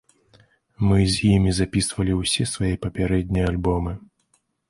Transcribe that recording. Мы з імі запісвалі ўсе свае папярэднія альбомы.